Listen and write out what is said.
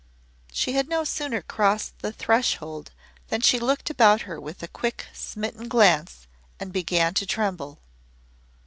She had no sooner crossed the threshold than she looked about her with a quick, smitten glance and began to tremble.